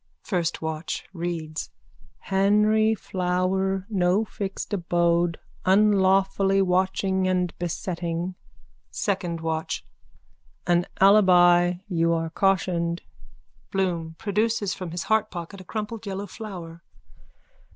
FIRST WATCH: (Reads.) Henry Flower. No fixed abode. Unlawfully watching and besetting. SECOND WATCH: An alibi. You are cautioned. BLOOM: _(Produces from his heartpocket a crumpled yellow flower.)